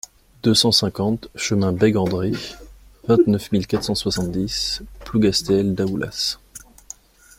deux cent cinquante chemin Beg an Dre, vingt-neuf mille quatre cent soixante-dix Plougastel-Daoulas